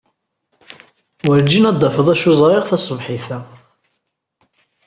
Werjin ad d-tafed d acu ay ẓriɣ taṣebḥit-a.